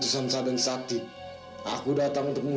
semoga itu sudah mengalami ramah